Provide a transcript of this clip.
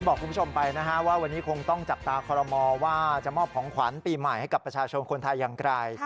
บอกคุณผู้ชมไปนะฮะว่าวันนี้คงต้องจับตาคอรมอว่าจะมอบของขวัญปีใหม่ให้กับประชาชนคนไทยอย่างไกล